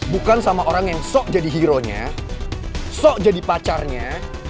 bukan sama orang yang sok jadi hero nya sok jadi pacarnya